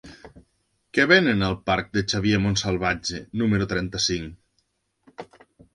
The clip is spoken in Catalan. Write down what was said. Què venen al parc de Xavier Montsalvatge número trenta-cinc?